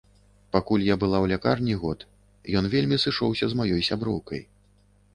Пакуль я была ў лякарні год, ён вельмі сышоўся з маёй сяброўкай.